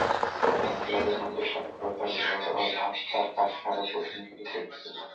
মহিলাদের মধ্যে সাক্ষরতার অভাব তাঁর কাজকে আরও কঠিন করে তুলেছিল।